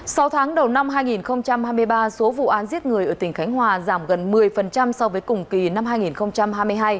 sau tháng đầu năm hai nghìn hai mươi ba số vụ án giết người ở tỉnh khánh hòa giảm gần một mươi so với cùng kỳ năm hai nghìn hai mươi hai